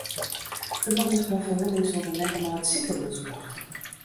De man is mei ferwûnings oan de nekke nei it sikehûs brocht.